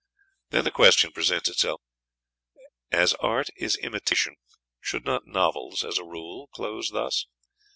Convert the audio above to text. Then the question presents itself, As art is imitation, should not novels, as a rule, close thus?